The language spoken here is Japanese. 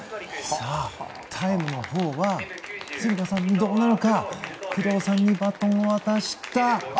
さあ、タイムのほうは敦賀さんは工藤さんにバトンを渡した。